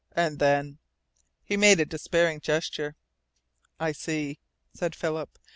And then " He made a despairing gesture. "I see," said Philip.